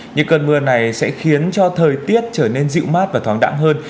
những cơn mưa này sẽ khiến cho thời tiết trở nên dịu mát và thoáng đẳng hơn